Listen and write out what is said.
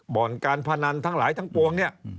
บ่อนการพนันทั้งหลายทั้งปวงเนี่ย